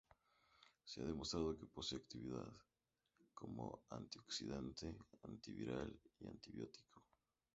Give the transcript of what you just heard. Se ha demostrado que posee actividad como antioxidante, antiviral y antibiótico.